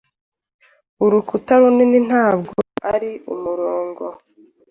Urukuta runini ntabwo ari umurongo